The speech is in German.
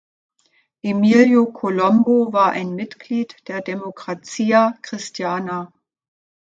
Emilio Colombo war ein Mitglied der Democrazia Cristiana.